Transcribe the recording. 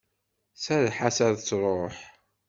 Serreḥ-as ad truḥ!